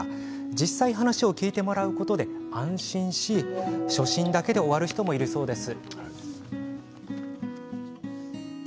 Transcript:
実際話を聞いてもらうことで安心し初診だけで終わる人もいるそうです。